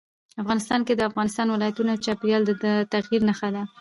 افغانستان کې د افغانستان ولايتونه د چاپېریال د تغیر نښه ده.